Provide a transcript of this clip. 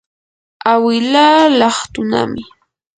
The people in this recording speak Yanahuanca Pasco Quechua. awilaa laqtunami.